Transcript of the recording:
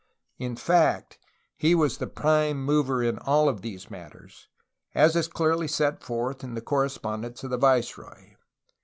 In fact he was the prime mover in all of these matters, as is clearly set forth in the correspondence of the viceroy.